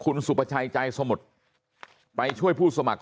คุณสุภาชัยใจสมุทรไปช่วยผู้สมัคร